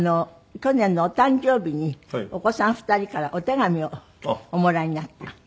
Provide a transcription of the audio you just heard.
去年のお誕生日にお子さん２人からお手紙をおもらいになった？